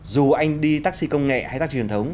dù anh đi taxi công nghệ hay ta truyền thống